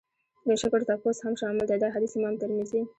د شکر تپوس هم شامل دی. دا حديث امام ترمذي